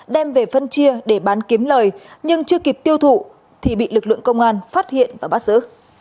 đem về phân chia để bán kiếm lời nhưng chưa kịp tiêu thụ thì bị lực lượng công an phát hiện và bắt giữ